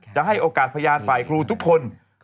จะให้โอกาสพยานฝ่ายครูทุกคน